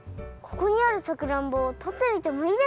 ここにあるさくらんぼとってみてもいいですか？